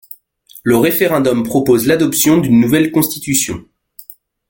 Le référendum propose l'adoption d'une nouvelle constitution.